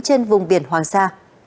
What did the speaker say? trên vùng biển hoàng sa